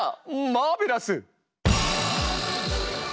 マーベラス！